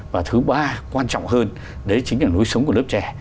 và thứ ba quan trọng hơn đấy chính là lối sống của lớp trẻ